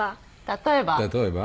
例えば？